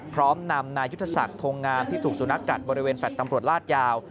พร้อมนำนายุทธศักดิ์ทงงามที่ถูกสุนัขกัดบริเวณแฟลต์ตำรวจลาดยาว